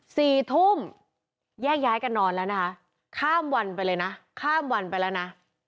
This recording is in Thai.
สี่ทุ่มแยกย้ายกันนอนแล้วนะคะข้ามวันไปเลยนะข้ามวันไปแล้วนะ